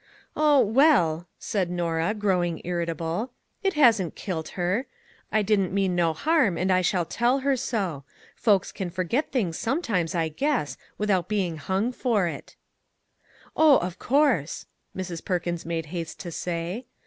" Oh, well," said Norah, growing irritable, " it hasn't kilt her._ I didn't mean no harm, and I shall tell her so. Folks can forget things 128 THINGS "WORKING TOGETHER" sometimes, I guess, without being hung for it." " Oh, of course," Mrs. Perkins made haste to say.